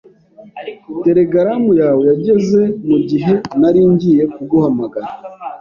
Telegaramu yawe yageze mugihe nari ngiye kuguhamagara.